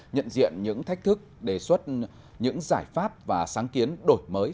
nhận diện những thách thức đề xuất những giải pháp và sáng kiến đổi mới